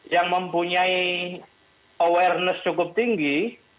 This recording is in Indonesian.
yang mempunyai awareness cukup tinggi